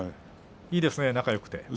いいですね、仲よくて。